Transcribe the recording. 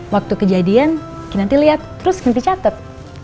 waktu kejadian kinanti lihat terus kinanti catet